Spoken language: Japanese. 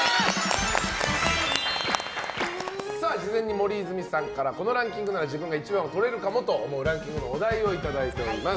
事前に森泉さんからこのランキングなら自分が一番をとれるかもと思うランキングのお題をいただいております。